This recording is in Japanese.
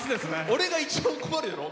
俺が一番困るやろ？